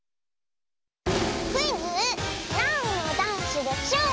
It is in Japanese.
クイズ「なんのダンスでしょう」